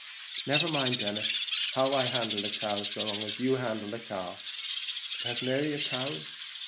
"Never mind, Denis, how I handle the cow, so long as you handle the calf; but has Mary a cow?"